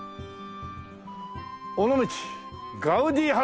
「尾道ガウディハウス」